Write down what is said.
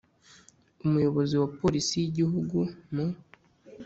Umuyobozi wa Polisi y Igihugu mu